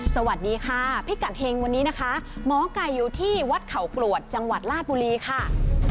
สวัสดีค่ะพิกัดเฮงวันนี้นะคะหมอไก่อยู่ที่วัดเขากรวดจังหวัดลาดบุรีค่ะ